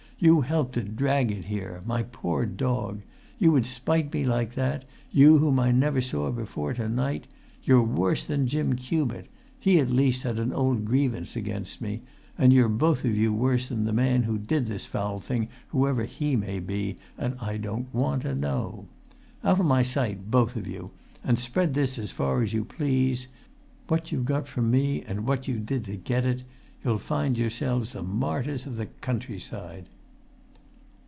"You helped to drag it here—my poor dog! You would spite me like that, you whom I never saw before to night! You're worse than Jim Cubitt; he at least had an old grievance against me; and you're both of you worse than the man who did this foul thing, whoever he may be, and I don't want to know. Out of my sight, both of you, and spread this as far as you please: what you got from me, and what you did to get it. You'll find yourselves the martyrs of the countryside!"